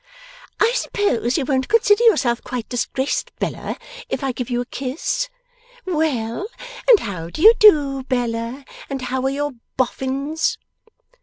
'I suppose you won't consider yourself quite disgraced, Bella, if I give you a kiss? Well! And how do you do, Bella? And how are your Boffins?